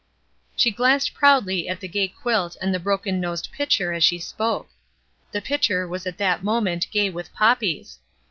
She glanced proudly at the gay quilt and the broken nosed pitcher as she spoke. The pitcher was at that moment gay with poppies.